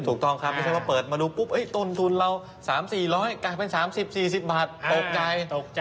ถูกต้องครับไม่ใช่ว่าเปิดมาดูปุ๊บต้นทุนเรา๓๔๐๐กลายเป็น๓๐๔๐บาทตกใจ